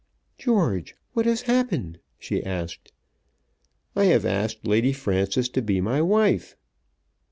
"George, what has happened?" she asked. "I have asked Lady Frances to be my wife."